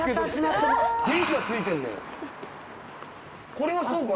これがそうかな？